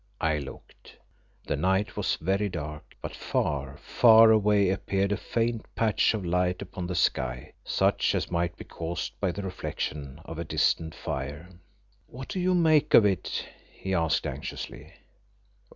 I looked. The night was very dark; but far, far away appeared a faint patch of light upon the sky, such as might be caused by the reflection of a distant fire. "What do you make of it?" he asked anxiously.